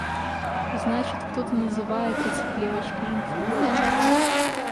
Значит – кто-то называет эти плевочки жемчужиной?